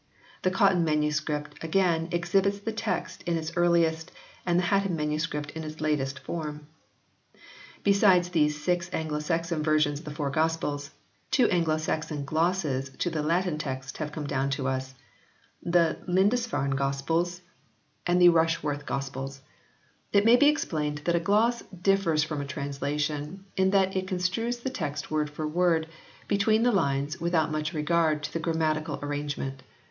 The Cotton MS. again, exhibits the text in its earliest, and the Hatton MS. in its latest form. Besides these six Anglo Saxon versions of the Four Gospels, two Anglo Saxon Glosses to the Latin text have come down to us the Lindisfarne Gospels 8 HISTORY OF THE ENGLISH BIBLE [OH. and the Rushworth Gospels. It may be explained that a gloss differs from a translation in that it con strues the text word for word, between the lines, without much regard to the grammatical arrange ment.